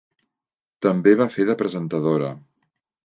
També va fer de presentadora.